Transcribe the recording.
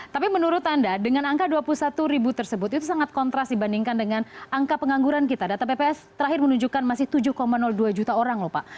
tapi menurut anda dengan angka dua puluh satu ribu tersebut itu sangat kontras dibandingkan dengan angka pengangguran kita data bps terakhir menunjukkan masih tujuh dua juta orang lho pak